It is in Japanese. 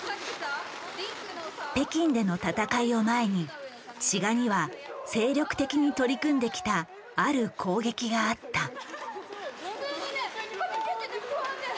北京での戦いを前に志賀には精力的に取り組んできたある攻撃があった。